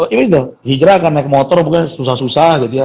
ini tuh hijrah kan naik motor bukan susah susah gitu ya